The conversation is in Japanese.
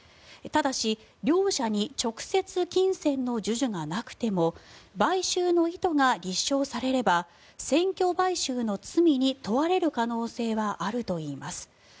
ただし、両者に直接金銭の授受がなくても買収の意図が立証されれば選挙買収の罪に問われる可能性はあるといいます。